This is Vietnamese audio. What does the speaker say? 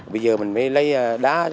bây giờ mình mới lấy đá